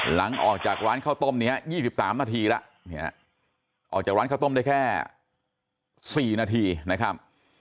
หลังจากร้านข้าวต้มนี้๒๓นาทีแล้วออกจากร้านข้าวต้มได้แค่๔นาทีนะครับ